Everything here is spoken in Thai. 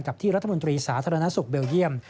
ที่รัฐมนตรีสาธารณสุขเบลเยี่ยม